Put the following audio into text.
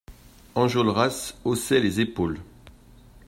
Enjolras haussait les épaules.